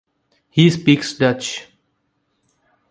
He speaks Dutch.